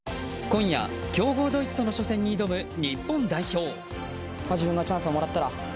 今夜、強豪ドイツとの初戦に挑む日本代表。